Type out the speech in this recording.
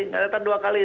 nggak datang dua kali